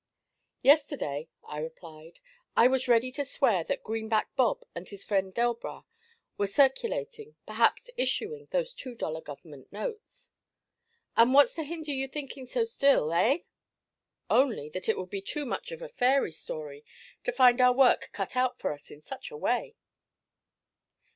'Yesterday,' I replied, 'I was ready to swear that Greenback Bob and his friend Delbras were circulating, perhaps issuing, those two dollar Government notes.' 'And what's to hinder you thinking so still, eh?' 'Only that it would be too much of a fairy story to find our work cut out for us in such a way.'